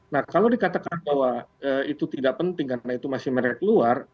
nah kalau dikatakan bahwa itu tidak penting karena itu masih mereka keluar